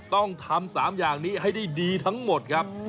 ต้องทำ๓อย่างนี้ให้ได้ดีทั้งหมดครับ